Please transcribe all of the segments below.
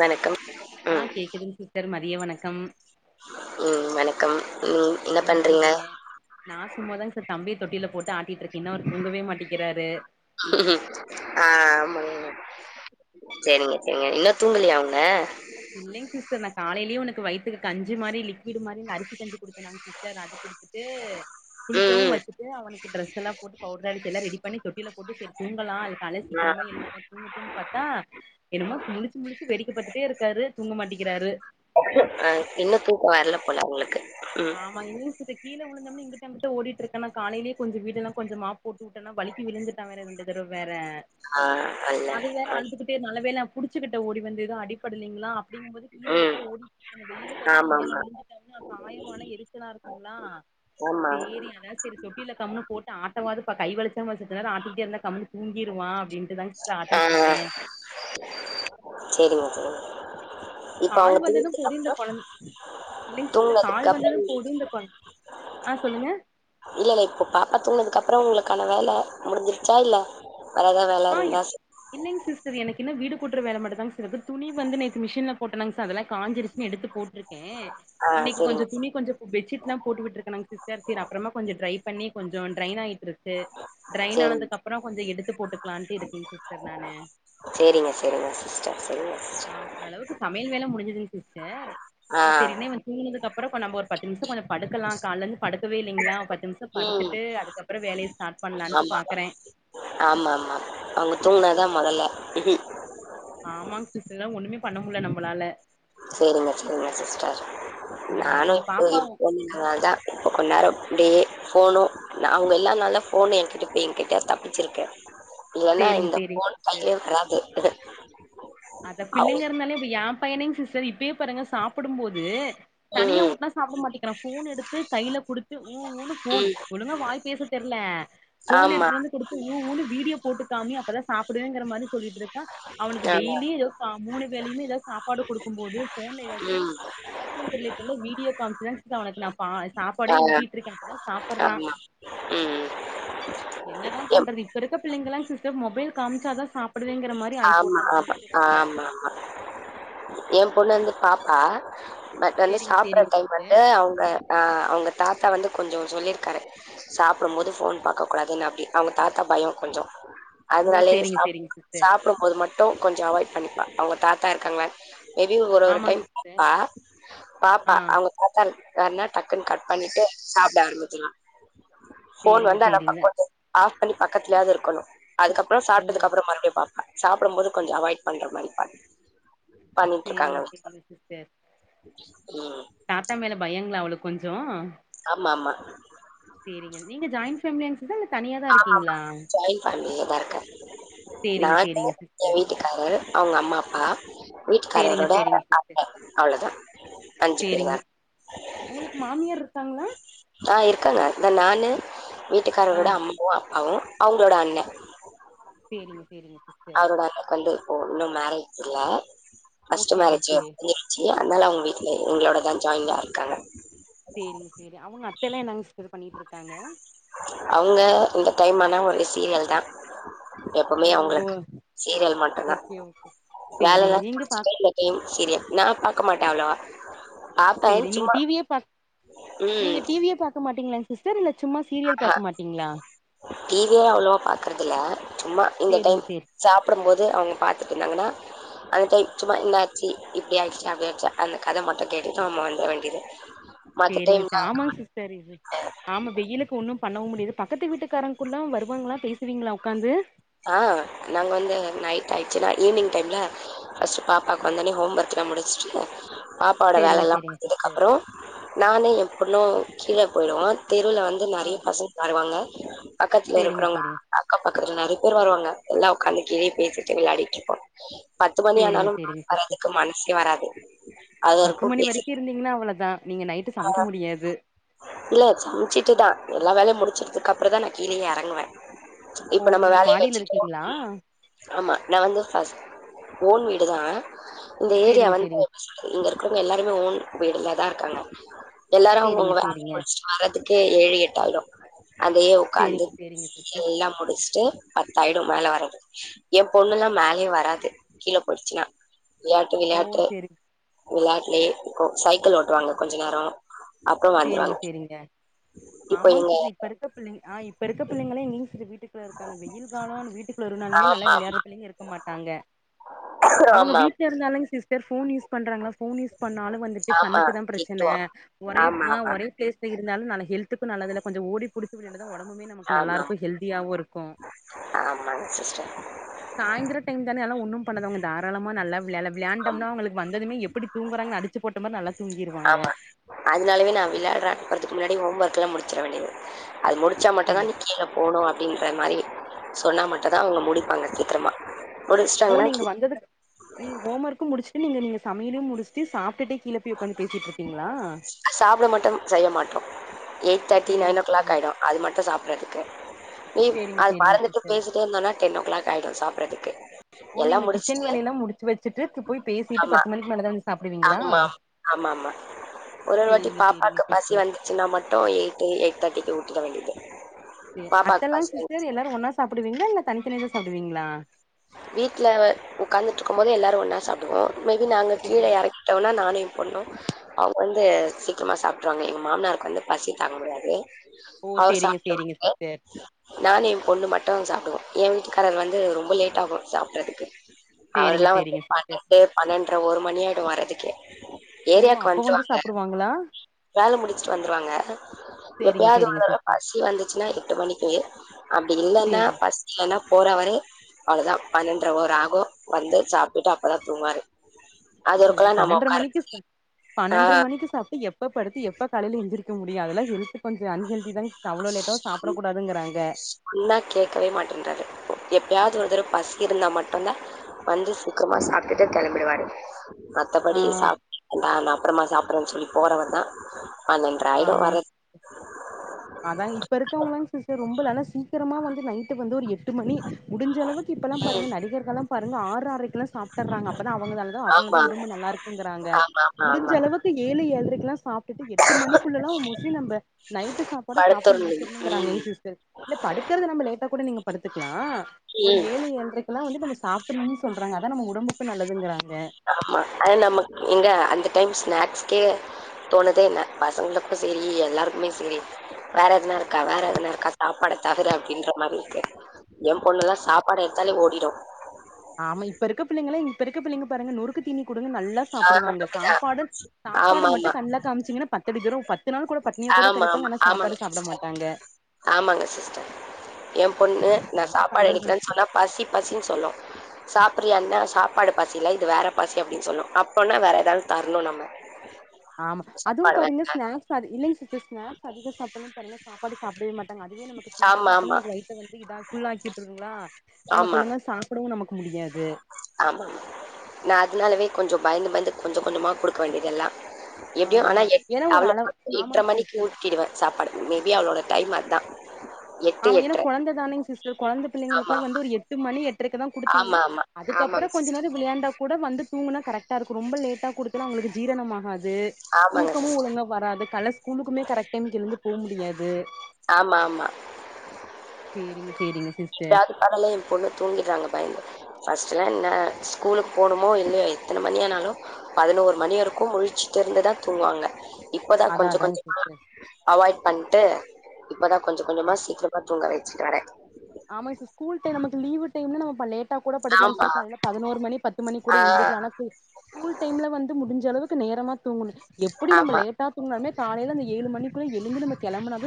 வணக்கம் ஆ ம் கேக்குதுங்க சிஸ்டர் மதிய வணக் கம் ம் வணக்கம் நீங் என்ன பண்றீங்க? தொட்டீல்ல போட்டு ஆட்டிட்டிருக்கே இன்னு அவர் தூங்கவே மாட்டிக்கிறாரு ஆ ஆமாங்கக சேரிங்க சே இல்ல தூங்கலயா அவங்க இல்லைங் சிஸ்டர் நா காலைலயே இவனுக்கு வயத்துக்கு கஞ்சி மாரி லிக்விட் மாரி அரிசிகஞ்சி குடுத்தனாங் சிஸ் டர் அது குடுத்துட்டு ம் குளிக்கவு ம் வச்சுட்டு அவனுக்கு டிரெஸெல்லா போட்டு பவுடர் அடிச்சு எல்லா ரெடி பண்ணி தொட்டீல போட்டு செரி தூங்கலா அல்கால்ல ஆ சீக்கிரமா எழுந்துட்டொ தூங்கட்டுன்னு பாத்தா என்னமோ முழுச்சு முழுச்சு வேடிக்கப்பாத்துட்டே இரு தூங்க மாட்டிக்கிறாரு. அ இன்னு தூக்கோ வர்ல போல அவங்களுக்கு ம் ஆமா இவனு சித்த கீழ உழு ந்தொனே இங்குட்டு அங்குட்டு ஓடிட்டு இருக்கனா காலைலயே கொஞ்ச வீடெல்லா கொஞ்ச மாப் போட்டுவுட்டனா வழிக்கி விழுந்துட்டா வேற ரெண்டு பிறவு வேற ஆ அல்ல ஆ புடுச்சுக்கிட்ட ஓடி வந்து எது அடிப்படுலீங்களா அப்டீங்கும்போது கீழ ம் விட்டா ஓடி அந்த வெய்யிலுக்கு அதிக்கு எங்காது ஆமாமா விழுந்துடாங்கன்னா அப்ப காயமான எரிச்சலா இருக்குங்களா ஆமா சேரி அதா செரி தொட்டில கம்னு போட்டு ஆட்ட வாதுபா கை வளுச்சாமா சத்து நேரோ ஆட்டிகிட்டே இருந்தா கம்னு தூங்கிருவா அப்டீன் டு தாங் சிஸ்ட ஆ ஆட்டீட்ருக்கே. சரிங்க சரிங்க இப்ப கால் அவங்க தூங்குனதுக்கு வந்ததும்போது இந்த அப்றோ கொழந் இல்லைங் சிஸ்டர் தூங்குனதுக்கு கால் அப்றோ வந்ததும் போது இந்த கொ ஆ சொல்லுங்க இல்லல்ல இப்போ பாப்பா தூங்னதுக்கப்றோ உங்களுக்கான வேல முடுஞ்சிருச்சா இல்ல வேற எதா வேல ஆ இ இருந்தா இல்லைங்க சிஸ்டர் எனக் கு இன்னு வீடு கூட்ற வேல மட்டுதாங் சி இருக்கு துணி வந்து நேத்து மிஷின்ல போட்டலங் ச அதல்லா காஞ்சிருச்சுனு எடுத்து போட் ருக்கே ஆ இன்னைக்கு சரிங்க கொஞ்சொ துணி கொஞ்சொ பெட்ஷீட்ல்லா போட்டுட்ருக்கனாங் சிஸ்டர் செரி அப்பறமா கொஞ்சொ ட்ரை பண்ணி கொஞ்சொ ட்ரைன் ஆயிட் ருக்கு ட்ரைன் சரிங்க ஆனதுக்கு அப்றொ கொஞ்சொ எடுத்து போட்டு ப்லான்டட் போயிட்ருக்குறே நானு சரிங்க சரிங்க சிஸ்டர் சரிங்க சிஸ்டர் ஆ ஓரளவுக்கு சமையல் வேல முடிஞ்சுது சிஸ்டர் ஆ இப்பேருனே இவ துங்குனதுக் அப்றொ இப்ப நம்ப ஒரு பத்து நிமிஷ கொஞ்சொ படுக்கலா காலந்து படுக்கவே இல்லைங்களா பத்து நிமிஷ ம் படுத்துட்டு அதுக்கப்புறொ வேலைய ஸ்டாட் பண்லான்ட்டு ஆமா பாக்குறே ஆமா ஆமா. அவங்க தூங்குனாதா மொத்தல ஆமாங்க சிஸ்டர் இன்னு ஒண்ணுமே பண்ண முடில நம்மளால சேரிங்க சேரிங்க சிஸ்டர் ம் நானு உங்க இப்ப பாப்பா எ உங்க பொண்ணுனால தா இப்ப கொஞ்ச நேரோ அப்டியே ஃபோனு நா அவங்க இல்லானால தா ஃபோனு என்கிட்ட இப்ப என்கிட்ட தப்பிச்சிருக்கு இல்லன்னா சேரிங்க இந்த போன் கையிலே வராது [inaudible] அதா அவங்க பிள்ளுங்க இருந்தாலே இப்ப ஏ பையனைங் சிஸ்டர் இப்பயே பாருங்க சாப்புடும்போது தனியா ம், ஊட்னா சாப்ட மாட்டிங்கிறா போன் எடுத்து கையில குடுத்து உ உ போன் ம். ஒழுங்க வாய் பேச தெர் ல்ல போன் ஆமா, எடுத்துட்டு வந்து குடுத்து உ உ னு வீடியோ போட்டு காமி அப்ப தா சாப்புடுவேங்கற மாரி சொல்லிட்டு இருக் எ டெய்லி ஏதோ கா மூணு வேலயுமே எதா சப்பாடு குடுக்கும் போது போன்ல ஏதாச்சு ம். கார்டூன் ரிலேட்டட் விடியோ காமிச்சி தா சிஸ்டர் அவனுக்கு நா ஆ, சாப்பாடே ஊட்டிட்டு இருக்கே அப்பதா சாப்புட்றா ஆமா. ம். என்னதா எம் பண்றது இப்ப இருக்க பிள்ளைங்க லா சிஸ்டர் மொபைல் காம்ச்சா தா சாப்படுவேங்கற மாரி ஆயிப்போட் ஆமா ஆமா ஆமா எ பொண்ணு வந்து பாப்பா பட் வந்து சேரிங்க சாப்ற சேரிங்க டைம் சிஸ்டர் வந்து அவங்க அ அவங்க தா தாத்தா வந்து கொஞ்சோ சொல்லிருக்காரு சாப்புடும்போது ஃபோன் பாக்க கூடாதுன்னு அப்டி அவங்க தாத்தா பயம் கொஞ்சோ ஓ சேரிங்க சேரிங்க சிஸ்டர் சாப்புடும்போது மட்டூ டு கொஞ்ச அவாய்ட் பண்ணிப்பா அவங்க தாத்தா இருக்காங்களானு மே பி ஒரு ஒரு ஆமாங்க டைம் சிஸ்டர் பாப்பா பாப்பா ஆ அவங்க தாத்தா வராருனா டக்குன்னு கட் பண்ணிட்டு சாப்ட ஆரம்பிச்சிடுவா ஃபோன் சேரிங்க வந்தா சேரிங்க நம்பக் கொஞ்சோ ஆஃப் பண்ணி பக்கத்துலேயாவது இருக்கணு அதுக்கப்பறோ ஓ சாப்ட்டதுக்கப்பற மறுபடி பாப்பா சாப்டம்போது கொஞ்ச அவாய்ட் பண்ற மாரி‌ ப சேரிங்க சேரிங்க சிஸ்டர் ம் தாத்தா மேல பயங்களா அவளுக் கொஞ்சோ ஆம்மாமா சேரிங்க நீங்க ஜாயின்ட் ஃபேம்லியாங் ஆம்மா ம்மா ஜாய்ண்ட் ஃபேம்லியதான் இருக்கே சேரிங்க நானு சேரிங்க ஏன் சிஸ்டர் வீட்டுக்காரர் அவ்ங்க அம்மா அப்பா சேரிங்க வீட்டுக்காரரோட சேரிங்க சிஸ்டர் அத்த அவ்ளோதா அஞ்சி பேரு தா காங்களா ஆஹ் இருக்கங்க இந்தா நானு ஆ வீட்டுக்காரோட அம்மாவு அப் பாவும் அவங்ளோட அண்ணெ சேரிங்க சி அவரோட அக்கொண்டு ஓ இன்னு மேரேஜ் இல்ல ஃபஸ்ட்டு ஓகே மேரேஜி ஓகே [unintelligible] அதனால அவங்க வீட்லெ எங்ளோடதா ஜாயின்டா இருக்காங்க சேரிங் சேரி அவுங்க அத்தெல்லா என்னங் அவங்க இந்த டைமந் தனா ஒரு சீரியல் தா எப்பவ்மே ஓ அவங்களுக் சீரியல் மட்டுந்தா ஓகே ஓகே சேரிங்க வேலெல்லா நீங்க பா முடிச்சிடு இந்த டெய்ம் சீரியல் நா பாக்க மாட்டே அவ்வளவா சேரி நீங்க டி வி யே பாக் ம் நீங்க டிவியே பாக்க மாட் டிங்களா சிஸ் ஆஹா டி வி யே அவ்வளவா பாக்குறதில்ல சும்மா இந்த சேரிங்க டைம் சேரி சாப்படமோது அவ்ங்க பாத்திட்டு இருந்தாங்கன்னா அந்த டெய்ம் சும்மா இன்னாச்சி இப்டி ஆயிச்சா அப்டியாச்சா அந்த கத மட்டு கேட்டுட்டு நம்மா வந்துர வேண்டியது மத்த சேரிங்க சிஸ் டைம்லாம் ஆம்மாங் சிஸ்டர் இது ஆம்மா வெயிலுக்கு ஒண்ணும் பண்ணவும் முடிது பக்கத்து வீட்டுக்காரங்குள்ளல்லா வருவாங்களா பேசுவீங்களா உக்காந்து ஆய்ச்சினா ஈவினிங் டெய்மலெ ஃபஸ்ட் பாப்பாக்கு வந்தோனே ஹோம் ஒர்க்லா முடிஸ்ட்டு பாப்பாவோட சேரிங்க வேலெல்லா சேரிங்க பாத்ததுக்கு சிஸ்டர் அப்றோ நானே எம் பொண்ணு கீழே போயிடுவோன் தெருவுல வந்து ஆ நறைய் பசங்க விளாடுவாங்க அக்கத்துல சேரிங்க இருக்கறவுங்க சேரிங்க அக்கம் பக்கத்துல நெ எல்லாம் உக்காந்துட்டு பேசிட்டு விளையாடிட்டுப்போம். பத்து மணி சேரிங்க ஆனாலு சேரிங்க சிஸ்டர் சாப்படறதுக்கு மனசே வராது அது பத்து வரைக்கு மணி பேசிட்டு இருந்தீங்கன்னா அவ்ளதா நீங்க நைட்டு சமைக்க முடியாது இல்ல சமைச்சுட்டுதா எல்லா வேலையு முடிச்சிட் அதுக்கப்புறந்தா நா கீழயே எறங்குவ ஓ இப்ப நம்ம நீங்க வேலையே மாடியில வசிக்கிறோ இருக்கீங்களா ம் ஆமா நாங்க ஃபஸ்ட் ஓன் வீடுதா இந்த ஏரியா சேரிங்க வந்து சேரிங்க இங்க இருக்கிறவங்க எல்லா உன் வீடுலதா இருக்காங்க எல்லாரு சேரிங்க அவங்கவங்க வேலை சேரிங்க முடிச்சுட்டு வர்றது எ ஏழு எட்டாயிடு அதையே உக்காந்து சேரிங்க சேரிங்க சிஸ்டர் எல்லா முடிச்ட்டு பத்தாயிடு மேல வரதுக்கு எமா பொண்ணுலா மேலயே வராது கீழ போய்ட்ச்சுனா விளையாட்டு ஓ விளையாட்டு சேரி விளையாட் எ இப்போ சைக்கிள் ஓட்டுவாங்க கொஞ்ச நேர செரிங்க செரிங்க இப்போ ஆமாங் எங்க சிஸ்டர் இப்ப இருக்க பிள்ளைங் ஆ இப்ப இருக்க பிள்ளைங்கல்லா இங்கிலீஷ்ல விட் வீட்ல இருக்காங்க வெயில்காலோனு வீட்டுக்குல்ல இருந்தாலுமே நல்ல ஆமா, விளையாட்ற பிள்ளைங்க இருக்க மாட்டாங்க ஆமா, அவுங்க ஆமா, வீட்ல இருந்தாலேங் சிஸ். சார் ஃபோன் யூஸ் பன்றங்களா? ஃபோன் யூஸ் பண்ணாலு வந்துட்டு ஆமா. கண்ணுக்கு தா பிரச்சன திட்டுவோம். ஒரே ஆமா, ஆ ஆமா, ஒரே பிளேஸ்ல இருந்தாலு நாளைக் ஹெல்த்துக்கு நல்லதுல்ல கொஞ்சோ ஓடி புடிச்சி வெளையாண்டா தா ஒடம்புமே நமக்கு நல்லா ஆமா, இருக்கு ஹெல்தியாவு இருக்கு. ஆமாங்க சிஸ்டர். சாய்ந்திரோ டைம் தான எல்லா ஒன்னு. பண்ணாதவங்க தாராளமா நல்லா விளையால ஆமா விளையாண்டம்னா அவுங்களுக் வந்ததுமே எப்டி தூங்குறாங்கன் அடிச்சு போட்ட மாரி நல்லா தூங்கிருவாங்க. விளாட்ரா வற்துக்கு முன்னாடி ஹோம் ஒர்க்லா முடிச்சிர வேண்டியது அது முடிச்சா மட்டுதா நீ சேரி கீழ போணோ அப்டின்ற மாரி சொன்னா மட்டு்தான் அவங்க முடிப்பாங்க சீக்கிரமா ஓ முடிச்சாங்களா நீங்க வந்ததுக்கு நீங்க ஹோம் ஒர்க்கும் முடிச்சுட்டு நீங்க சமையலையும் முடிச்சுட்டு சாப்ட்டுட்டு கீழ போய் உக்காந்து பேசிட்டு இருக்கீங்களா சாப்பிட மட்டும் செய்ய மாட்டோம் எயிட் தேர்ட்டி சேரிங்க நைன் ஓ கிளாக் சேரிங்க ஆயி டும் அது மட்டும் சாப்பிட அறதுக்கு நீ சேரிங்க அது சேரிங்க மறந்துட்டு சிஸ்டர் பேசிட்டே இருந்தேனா டென் ஓ கிளாக் ஆயிடும் சாப்பட்றதுக்கு ஓ எல்லாம் நீங்க கிச்சன் முடிச்சுட்டு வேலையெல்லா முடிச்சு வச்சுட்டு போய் பேசிட்டு ஆமா பத்து மணிக்கு மேலதா வந்து சாப்டுவீங்களா ஆமாம் ஆமாமா ஒரு ஒரு வாட்டி சேரிங்க சேரிங்க பாப்பாக்கு பசி சிஸ்டர் வந்துச்சுனா மட்டு எய்ட்டு எயிட் தேர்டி இது ஊத்த வேண்டியது செர் பாப்பாக்கு அத்தலா பசி சிஸ்டர் எல்லாரு ஒன்னா சாப்பிடுவீங்களா இல்ல தனிதனியாத சபிடுவீங்களா வீட்ல உக்காந்திட்ருக்கும் போது எல்லாரு ஒன்னா சாப்பிடுவோ மேபி நாங்க கீழ சேரிங் இறக்கிட்ட உடன நானே பொண்ணு அவங்க வந்து சீக்கிரமா சாப்பிடுருவாங்க எங்க மாமனாருக்கு வந்து பசி தாங்க முடியாது ஓ அவர் சேரிங்க சாப்பட சேரிங்க உடன சிஸ்டர் நானு என் பொண்ணு மட்டு சாப்பிடுவோ யே வீட்டுக்காரர் வந்து ரொம்ப லேட் டாகு சாப்பிடறதுக்கு சேரிங்க அவர்லா வந்து சேரிங்க சிஸ்டர் பன்னெண்டு பன்னெண்ட்ர ஒரு மணியயிடும் வர்றதுக்கு ஓ ஏரியாக்கு அப்ப வந்து வந்துடுவாங்க சாப்புடுவாங்களா வேல முடிச்சுட்டு வந்துருவாங்க சேரிங்க எப்பயாவது ஒரு சேரிங்க தரவ சிஸ்டர் பசி வந்துச்சுன்னா எட்டு மணிக்கு அப்படி இல்லன்னா சேரிங் பசி இல்லன்னா போறவரு அவ்ளோதா பன்னெண்ட ஒரு ஆகு வந்து சாப்பிடுட்டு அப்பதா தூங்குவாரு சேரி பண்ணேன்ற மணிக்கு ஆ பண்ணேன்ற மணிக்கு சாப்பிட்டு எப்ப படுத்து எப்ப கலையில எந்திரிக்க முடியு அதெல்லா [unintelligible] கொஞ்சோ அன்ஹெல்தி தா அவ்ளோ லேட்டாவு சாப்பிட கூடாதுங்கிறாங்க யாவது ஒரு தடவ பசி இருந்தா மட்டும்தா வந்து சீக்கிரமா சாப்டுட்டு கிளம்பிடுவாரு ஆ மத்தபடி [inaudible] அப்றமா சாப்பிட்றோன்னு சொல்லி போறவறு தா பண்ணேன்ற ஆயிட்டு வரது தா இப்ப இருக்கவங்களாம் ச ரொம்ப நனா சீக்கிரமா வந்து நைட்டு வந்து ஒரு எட்டு மணி முடிஞ்சளவுக்கு இப்பெல்லாம் பாருங்க நடிகர்கள் லா பாருங்க ஆறு ஆற்றைக்கல சாப்டர்றாங்க அப்பதா அவங்கலாதா ஆமா நல்ல இருக்குங்குறாங்கா ஆமா ஆமா முடிஞ்ச ஆமா அளவுக்கு ஏழு எழரை எல்லா சாப் எட்டு மணிக்குள்ளல்லா மோஸ்ட்லி நம்ப நைட்டு சாப் சாப்டு படுத்துருணும் முடிச்சிர்னுங்றாங்க யே ம் சிஸ்டர் இல்ல படுக்கிறது நம்ம லேட்டா கூட நீங்க படுத்துக்லா ஒரு ம் ஏழு ஏழுரைக்கெல்லா வந்து நம்ம சாப்பிட்ருனுன்னு சொல்றாங்க அதா நம்ம உடம்புக்கு நல்லதுங்கிறாங்க ஆமா. ஆனா நமக்கு எங்க அந்த டைம் ஸ்நாக்ஸ்கே தோணுதே என்ன பசங்களுக்கு செரி எல்லாருக்குமே செரி வேற எதுனா இருக்கா வேற எதுனா இருக்கா சாப்பாட தவிர அப்படின்ற மாரி இருக்கு என் பொண்ணுல்லா சாப்பாடே எடுத்தாலே ஓடிடு ஆமா இப்ப இருக்க பிள்ளைங்களே இப்ப இருக்க பிள்ளைங்க பாருங்க நொறுக்கு தீனி குடுங்க நல்லா ஆ சாப்புடுவாங்க சாப்பாடு சாப்பாட ஆமா மட்டு ஆமா கண்ல காமிச்சீங்கன்னா பத்தடி தூர பத்து நாள் கூட பட்னியா ஆமா கூட ஆமா கெடப்பாங்க ஆனா சாப்பாடு ஆமாங்க சாப்ட சிஸ்டர் மாட்டாங்க ஆம்மாங்க சிஸர் என் பொண்ணு நான் என்ன சாப்பாடு பண்றது எடுக்கிறேன்னு சொன்னா பசி பசின்னு சொல்லு சாப்பிடுறியான்ன சாப்பாடு பசில்ல இது வேற பசி அப்படின் சொல்லு அப்போனா வேற ஏதாவுது தர்ணு நம்ம ஆமா அதுவு சாப்பாடு பாருங்க வேண்டாம். ஸ்நாக்ஸ் அதிக் இல்லைங்க சிஸ்டர் ஸ்நாக்ஸ் அதிக சாப்பிட்றது பாருங்க சாப்பாடு சாப்டவே மாட்டாங்க அதுவே நமக்கு ஸ்நாக்ஸ் ஆமா, சாப்பட்டா ஆமா. நமக்கு வயத்த வந்து இதாக் பியுல்லாக்கி விட்ருங்களா நமக்கு ஆமா, ஒழுங்க சாப்பிடவு நமக் ஆமா நான் அதனாலவே கொஞ்ச பயந்து பயந்து கொஞ்சம் கொஞ்சமாக கொடுக்க வேண்டியெதுல்லாம் ஆ எப்டியும் ஆனா ஏன்னா ஒரு அவள அளவு எடரை ஆமாங்க சிஸ்டர் மணிக்கு ஊட்டிடுவேன் சாப்பாடு மேபி அவளோட டைம் அதான் அவன் ஏன்னா கொழந்தை தானே சிஸ் கொழந்த ஆமா, பிள்ளைங்களுக்குல்லாம் வந்து ஒரு எட்டு மணி எட்ரைருக்கு தான் கொடுத்தீங்க ஆமா. ஆமாமா. ஆமாங்க அதுக்கப்பறம் கொஞ்ச சிஸ்டர். நாேம் விளையாண்டா கூட வந்து துங்குனா கரெக்ட் கரெக்டா இருக்கு ரொம்ப லேட்டா கொடுக்கல அவங்களுக்கு ஜீரணமாகாது ஆகாது ஆமாங்க தூக்கமும் சிஸ்டர். ஒழுங்கா வராது காலை ஸ்கூலுக்குமே கரெக்ட் டைம் எழுந்து போக முடியாது ஆமா, ஆமா. செரிங்க செரிங்க எப்பாவது காலைல பொண்ணு தூங்கிடுறாங்க பயந்து ஃபஸ்டு என் ஸ்கூலுக்கு போகணுமோ இல்லையோ எத்தனை மணி அனாலும் பதினோரு மணி வரைக்கும் முடிச்சுட்டு இருந்து தான் தூங்குவாங்க இப்போதான் அதா கொஞ்ச கொஞ்ச அதாங்க சிஸ்டர் அவாய்ட் பன்ட்டு இப்பதான் கொஞ்ச கொஞ்சமா சீக்கிரமா தூங்கவை ச்சடே ஆமா சிஸ் ஸ்கூல் டைம் நமக்கு லீவு டைம் ரொம்ப லேட்டா கரெக்டா கூட படுக்கலங்க ஆமா. சார் காலையில் பதினோரு மணி பத்து மணி கூட ஆ எந்திரிக்கலாம ஆனா ஸ்கூல் டைம்ல வந்து முடிஞ்ச அளவு நேரமா தூங்கனு எப்டி நம்ம ஆமா. லேட்டா‌ துங்குனாலுமே காலைல அந்த ஏழு மணிக்கு க்கு எழுந்து நம்ம கிளம்பறாது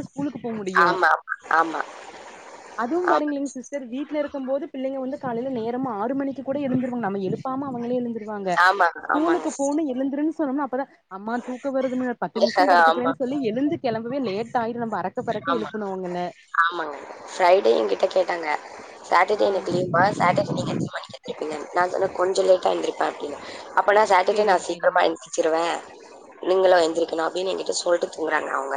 ஆமா ஆமா ஆமா அதுவும் பாருங்களேங்க சிஸ்டர் வீட்ல இருக்கும்போது பிள்ளைங்க வந்து காலையில நேரம் ஆறு மணிக்கு கூட எழுந்திருவங்க நம்ம எழுப்பாம அவங்களே எழுந்து வாங்க ஆமா ஆமாங்க ஸ்கூலுக்கு சிஸ்டர். போனு எழுந்துறுனு சொன்ன அப்பதான் அம்மா தூக்க வருது பத்து நிமிஷம் ஆமா படுத்துக்கிறேன் சொல்லி எழுந்து கிளம்பவே லேட் பத்து பாற ஆமா ஆமாங்க ஃரைடே இங்க கிட்ட கேட்டாங்க ஆ சட்டர்டே எனனக்கு லிவுபா சட்டர்டே நீ எத்தனை மணி எந்தி அ நான் சொன் கொஞ்சம் லேட்டா ஆ இருந்திருப்பேன் அப்டின்னு அப்பனா சாட்டர்டே சேரிங்க நான் சேரிங்க சீக்கிரமா அனுப்பிச்சிருவேன் நீங்கள எந்திருக்கணும் அப்படின்னு எங்கிட்ட சொல்ட்டு தூங்குறாங்க அவங்க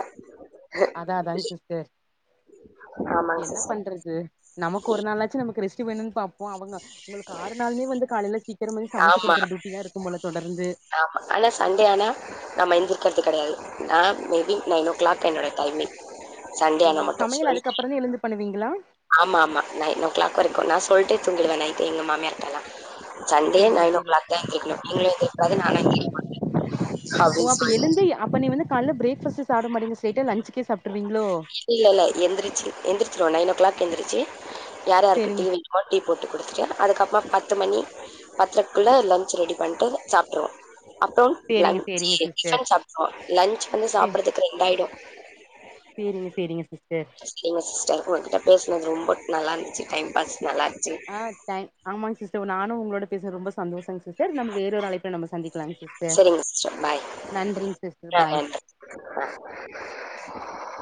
அத தான்ங்க சிஸ்டர் ஆமாங்க என்ன சிஸ்டர். பண்றது நமக்கு ஒரு நாளாச்சும் நமக்கு ரெஸ்ட் வேணும்னு பாப்போம் அவங்க உங்களுக்கு ஆறு நாளுுமே வந்து காலையில சீக்கிரமா சமைச்சு ஆமா குடுக்குற டியூட்டி தா இருக்கும் போல தொடர்ந்து ஆமா ஆனா சண்டே ஆனா நாம எந் க்கறது கெடையாது நா மேபி நைன் ஓ கிளாக் என்னோட டைமிங் சண்டே ஓ ஆனா மட்டு சமையல் அதுக்கப்புறந்தா எழுந்து பண்ணுவீங்களா ஆமா ஆமா நைன் ஓ கிளாக் வரைக்கு நான் சொல்ட்டே தூங்கிடுவேன் நைட்டு எங்க மாமியார்டலா சண்டே சேரிங்க நைன் ஓ சேரிங்க கிளாக் தா எந்திரிக்கணு நீங்களும் எந்திரிக்க கூடாது நானு எந்திரிக்க மாட்டே அப்டின் சொல் காலேல பிரேக்பாஸ்டே சாப்ட மாட்டிங்க ஸ்ரைட்டா லன்ச்சுக்கே சாப் இல்ல இல்ல எந்துருச்சு எந்துருச்சுருவோ நைன் ஓ க்ளாக் எந்துருச்சு யார் யாருக்கு டீ சேரிங்க வேணுமோ டீ போட்டு குடுத்துட்டு அதுக்கப்மா பத்து மணி பத்தரக்குள்ள லன்ச் ரெடி பண்ட்டு சாப்ட்ருவோ அப்றோம் சேரிங்க சேரிங்க லன்சு சிஸ்டர் டிஃபன் சாப்ட்றுவோ லன்ச் வந்து சே சாப்பறதுக்கு ரெண்டாயிடும் சேரிங்க சேரிங்க சிஸ் சேரிங்க சிஸ்டர் உங்ககிட்ட பேசுனது ரொம்ப நல்லா இருந்துச்சு டைம் பாஸ் நல்லா இருந்துச்சு ஆ தங் ஆமாங் சிஸ்டர் நானு உங்களோட பேஸ்னது ரொம்ப சந்தோஷங் சிஸ்டர் நம்ம வேற ஒரு அழைப்புல நம்ம சந்திக்கலாங் செரிங்க சிஸ்டர் பாய் சிஸ்டர் ஆ பாய் நன்றி ஆ